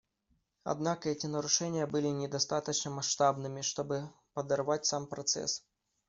Однако эти нарушения были недостаточно масштабными, чтобы подорвать сам процесс.